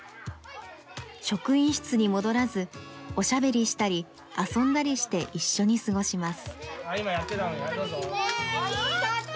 職員室に戻らず、おしゃべりしたり遊んだりして一緒に過ごします。